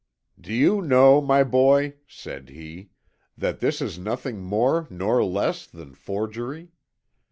"Do you know, my boy," said he, "that this is nothing more nor less than forgery?